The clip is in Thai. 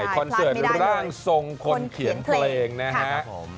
คอนเสิร์ตร่างทรงคนเขียนเพลงนะครับ